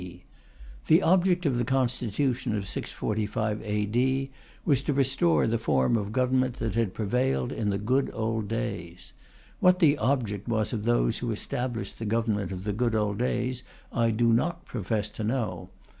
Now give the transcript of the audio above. D. The object of the constitution of 645 A.D. was to restore the form of government that had prevailed in the good old days. What the object was of those who established the government of the good old days, I do not profess to know.